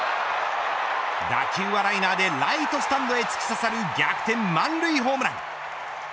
打球はライナーでライトスタンドへ突き刺さる逆転